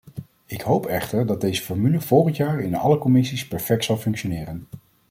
Ik hoop echter dat deze formule volgend jaar in alle commissies perfect zal functioneren.